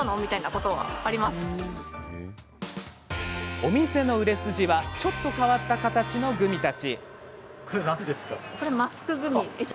お店の売れ筋はちょっと変わった形のグミたち。